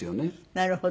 なるほど。